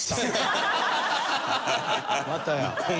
またや。